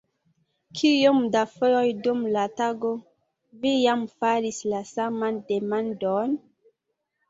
Kiom da fojoj dum la tago vi jam faris la saman demandon?